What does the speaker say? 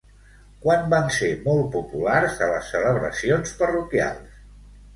Quan van ser molt populars a les celebracions parroquials?